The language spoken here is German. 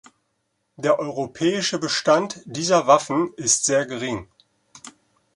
Der europäische Bestand dieser Waffen ist sehr gering.